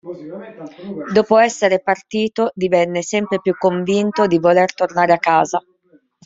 Dopo esser partito, divenne sempre più convinto di voler tornare a casa.